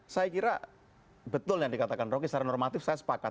saya kira betul yang dikatakan rocky secara normatif saya sepakat